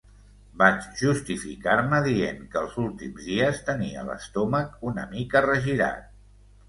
Vaig justificar-me dient que els últims dies tenia l'estómac una mica regirat.